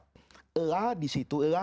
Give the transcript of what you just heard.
itu ada yang mengartikan larangan